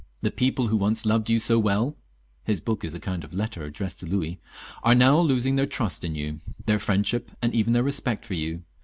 The people who once loved you so well (his book is a kind of letter addressed to Louis) are now losing their trust in you, their friendship, and even their respect for you.